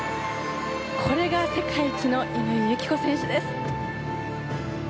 これが世界一の乾友紀子選手です。